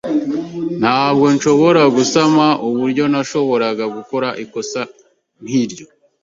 Ntabwo nshobora gusama uburyo nashoboraga gukora ikosa nkiryo.